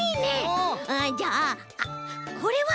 うんじゃああっこれは？